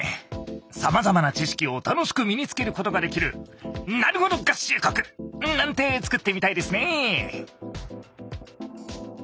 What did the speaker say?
さまざまな知識を楽しく身につけることができる「なるほど合衆国」なんてつくってみたいですね。